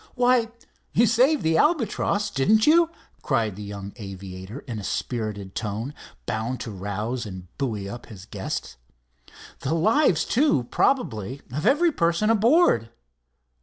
"Why, you saved the Albatross, didn't you?" cried the young aviator, in a spirited tone, bound to rouse and buoy up his guest. "The lives, too, probably, of every person aboard.